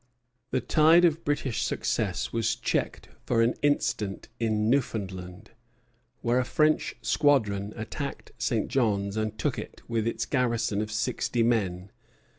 The tide of British success was checked for an instant in Newfoundland, where a French squadron attacked St. John's and took it, with its garrison of sixty men.